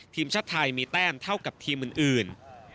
ทีมชาติไทยมีแต้มเท่ากับทีมอื่น